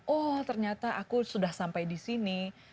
oh ternyata aku sudah sampai di sini